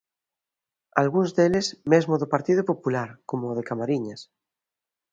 Algún deles mesmo do Partido Popular, como o de Camariñas.